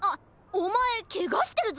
おまえケガしてるぞ！